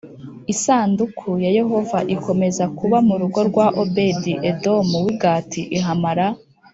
Isanduku ya Yehova ikomeza kuba mu rugo rwa Obedi Edomu w i Gati ihamara